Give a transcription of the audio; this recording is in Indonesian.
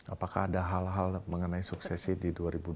apakah ada hal hal mengenai suksesi di dua ribu dua puluh